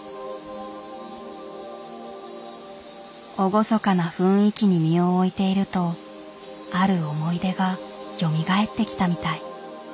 厳かな雰囲気に身を置いているとある思い出がよみがえってきたみたい。